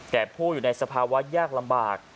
ผู้อยู่ในสภาวะยากลำบาก